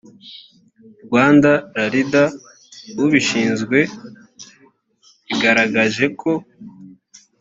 rwanda rarda ubishinzwe igaragaje ko